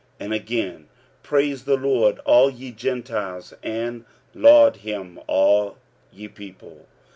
45:015:011 And again, Praise the Lord, all ye Gentiles; and laud him, all ye people.